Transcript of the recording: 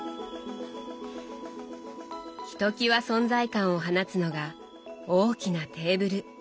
ひときわ存在感を放つのが大きなテーブル。